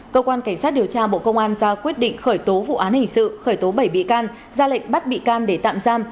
cơ quan cảnh sát điều tra bộ công an ra quyết định khởi tố vụ án hình sự khởi tố bảy bị can ra lệnh bắt bị can để tạm giam